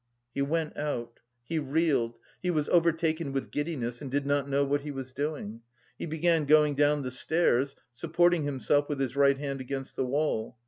He went out; he reeled, he was overtaken with giddiness and did not know what he was doing. He began going down the stairs, supporting himself with his right hand against the wall.